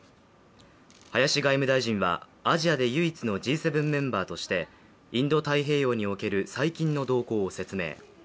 林外務大臣はアジアで唯一のＧ７メンバーとしてインド太平洋における最近の動向を説明。